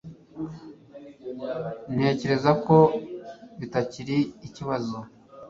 Ntekereza ko bitakiri ikibazo.